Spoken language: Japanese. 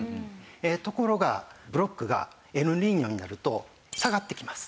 ところがブロックがエルニーニョになると下がってきます